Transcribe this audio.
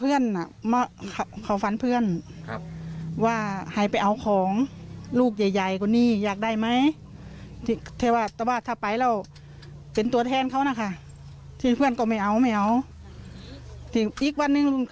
เอาเดี๋ยวฟังเสียงป้าประสมศรีหน่อยนะครับ